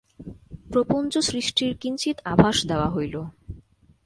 প্রপঞ্চ-সৃষ্টির কিঞ্চিৎ আভাস দেওয়া হইল।